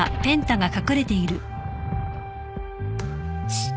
シッ！